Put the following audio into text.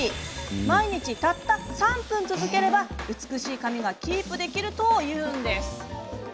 毎日たった３分続ければ美しい髪がキープできるというんです。